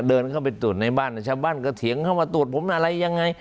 เดินเข้าไปตรวจในบ้านชาวบ้านก็เถียงเข้ามาตรวจผมอะไรยังไง